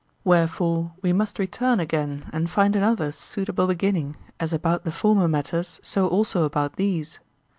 Wherefore, we must return again and find another suitable beginning, as about the former matters, so also about these.